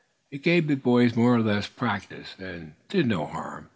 It gave the boys more or less practice, and did no harm.